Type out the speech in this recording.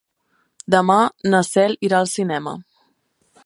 Demà na Cel irà al cinema.